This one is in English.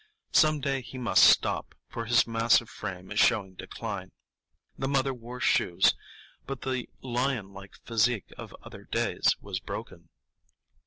Some day he must stop, for his massive frame is showing decline. The mother wore shoes, but the lion like physique of other days was broken.